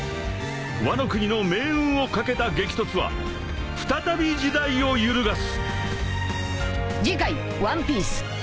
［ワノ国の命運を懸けた激突は再び時代を揺るがす！］